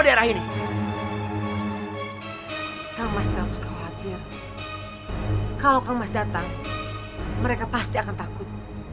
daerah ini kalau mas datang mereka pasti akan takut